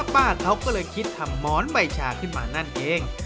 ป้าเขาก็เลยคิดทำหมอนใบชาขึ้นมานั่นเอง